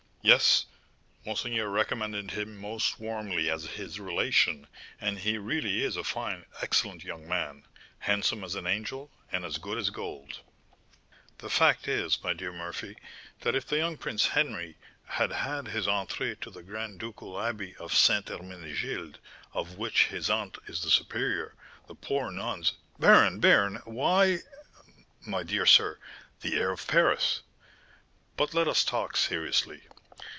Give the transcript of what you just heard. "Yes; monseigneur recommended him most warmly as his relation; and he really is a fine, excellent young man, handsome as an angel, and as good as gold." "The fact is, my dear Murphy, that if the young Prince Henry had had his entrée to the grand ducal abbey of Ste. Hermenegilde, of which his aunt is the superior, the poor nuns " "Baron! baron! why " "My dear sir, the air of Paris But let us talk seriously.